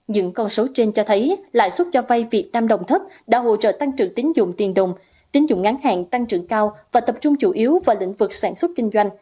những con số trên cho thấy lãi suất cho vay việt nam đồng thấp đã hỗ trợ tăng trưởng tín dụng tiền đồng tín dụng ngắn hạn tăng trưởng cao và tập trung chủ yếu vào lĩnh vực sản xuất kinh doanh